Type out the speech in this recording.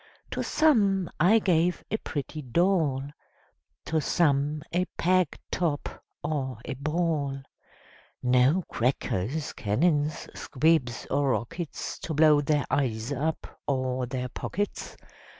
To some I gave a pretty doll, To some a peg top, or a ball; No crackers, cannons, squibs, or rockets, To blow their eyes up, or their pockets.